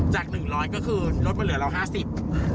หนึ่งร้อยก็คือลดมาเหลือเราห้าสิบ